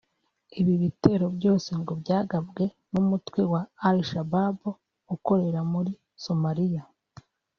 Ibi bitero byose ngo byagabwe n’umutwe wa Al-Shabab ukorera muri Somalia